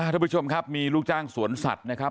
ทุกผู้ชมครับมีลูกจ้างสวนสัตว์นะครับ